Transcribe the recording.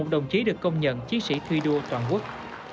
một đồng chí được công nhận chiến sĩ thi đua toàn quốc